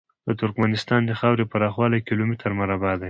د ترکمنستان د خاورې پراخوالی کیلو متره مربع دی.